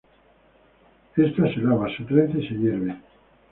Esta se lava, se trenza y se hierve.